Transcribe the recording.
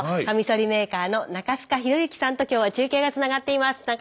カミソリメーカーの中須賀浩之さんと今日は中継がつながっています。